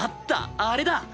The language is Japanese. あれだ。